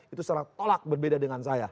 itu secara tolak berbeda dengan saya